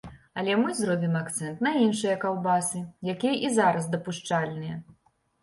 Але мы зробім акцэнт на іншыя каўбасы, якія і зараз дапушчальныя.